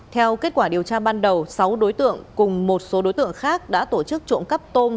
theo kết quả điều tra ban đầu sáu đối tượng cùng một số đối tượng khác đã tổ chức trộm cắp tôm